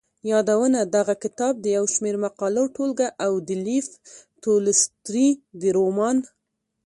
يادونه دغه کتاب د يو شمېر مقالو ټولګه او د لېف تولستوري د رومان.